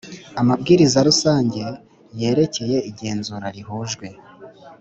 Amabwiriza rusange n yerekeye igenzura rihujwe